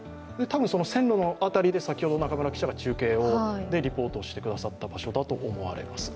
線路の辺りが先ほど中村記者がリポートしてくださったところだと思います。